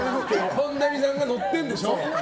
本並さんが乗ってるんでしょ。